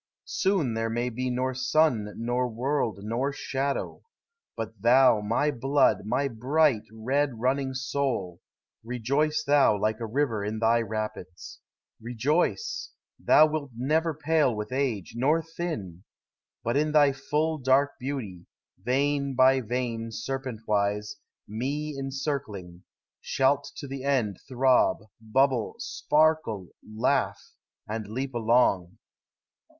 Soon there may be nor sun nor world nor shadow. But thou, my blood, my bright red running soul, Kejoice thou like a river in thy rapids. Rejoice, thou wilt never pale with age, nor thin; Digitized by Google ■ YOUTH. 253 But in thy full dark beauty, vein by vein Serpent wise, me encircling, shalt to the end Throb, bubble, sparkle, laugh, and leap along.